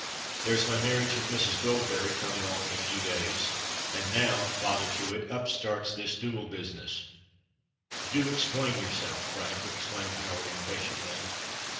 There's my marriage with Mrs. Goldberry coming off in a few days——and now, bother to it! up starts this duel business——" "Do explain yourself, Frank!" exclaimed Howard impatiently.